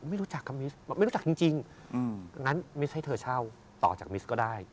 ไม่รู้จักกับมิสไม่รู้จักจริงอันนั้นไม่ใช่เธอเช่าต่อจากมิสก็ได้